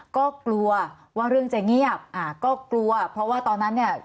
ก็กลัวว่าเรื่องจะเงียบอ่าก็กลัวเพราะว่าตอนนั้นเนี่ย